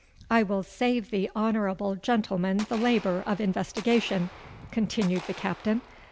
"I will save the honourable gentleman the labour of investigation," continued the Captain.